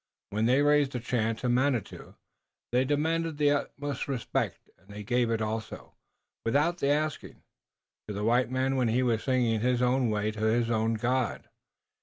When they raised a chant to Manitou they demanded the utmost respect, and they gave it also, without the asking, to the white man when he sang in his own way to his own God.